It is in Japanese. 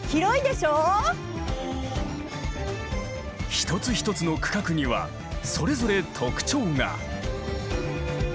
一つ一つの区画にはそれぞれ特徴が。